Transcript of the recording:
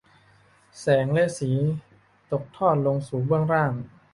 แสงและสีตกทอดลงสู่เบื้องล่าง